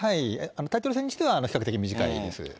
タイトル戦にしては比較的短いです。